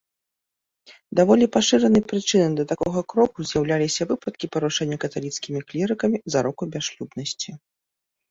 Даволі пашыранай прычынай да такога кроку з'яўляліся выпадкі парушэння каталіцкімі клірыкамі зароку бясшлюбнасці.